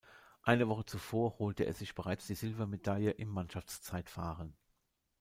Eine Woche zuvor holte er sich bereits die Silbermedaille im Mannschaftszeitfahren.